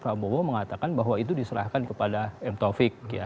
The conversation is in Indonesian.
dan pak prabowo mengatakan bahwa itu diserahkan kepada m taufik